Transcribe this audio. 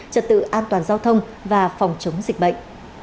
trật tự an toàn giao thông và phòng chống dịch bệnh